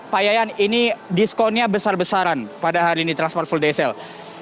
pak yayan ini diskonnya besar besaran pada hari ini transmart full day sale